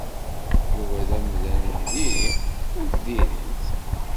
Yuba d amdan n diri. Amek diri-t?